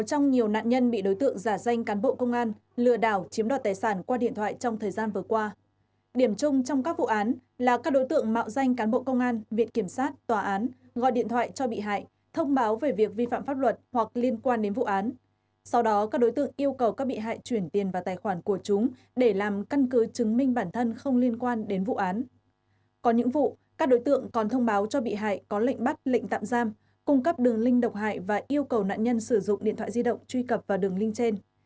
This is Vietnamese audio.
cung cấp đường link độc hại và yêu cầu nạn nhân sử dụng điện thoại di động truy cập vào đường link trên